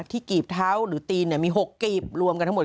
ที่กีบเท้าหรือตีนเนี่ยมี๖กีบรวมกันทั้งหมด